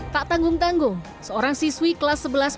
tak tanggung tanggung seorang siswi kelas satu dan dua tahun lalu